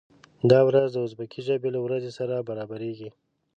دا ورځ د ازبکي ژبې له ورځې سره برابریږي.